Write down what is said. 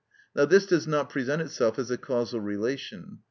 Now this does not present itself as a causal relation.